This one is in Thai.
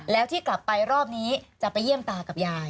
แล้วที่กลับไปรอบนี้จะไปเยี่ยมตากับยาย